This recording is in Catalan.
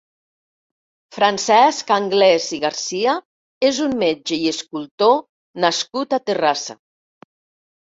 Francesc Anglès i Garcia és un metge i escultor nascut a Terrassa.